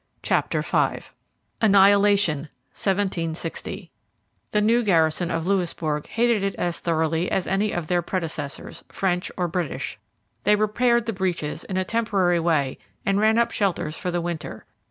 CHAPTER V ANNIHILATION 1760 The new garrison of Louisbourg hated it as thoroughly as any of their predecessors, French or British. They repaired the breaches, in a temporary way, and ran up shelters for the winter.